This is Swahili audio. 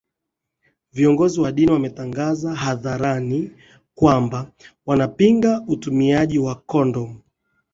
viongozi wa dini wametangaza hadharani kwamba wanapinga utumiaji kondomu